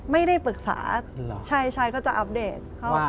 ไม่ได้ปรึกษาใช่ชายก็จะอัปเดต